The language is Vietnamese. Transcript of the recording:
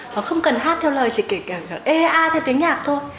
họ không cần hát theo lời chỉ kể cả ea theo tiếng nhạc thôi